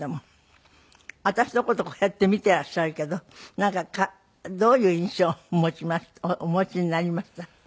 私の事こうやって見てらっしゃるけどなんかどういう印象をお持ちになりました？